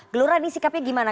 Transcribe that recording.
gelora ini sikapnya gimana